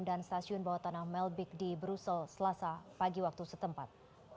dan stasiun bawah tanah melbik di brussel selasa pagi waktu setempat